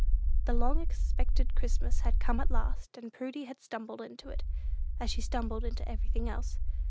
The long expected Christmas had come at last, and Prudy had stumbled into it, as she stumbled into everything else.